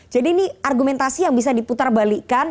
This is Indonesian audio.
jadi ini argumentasi yang bisa diputarbalikan